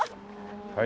はい。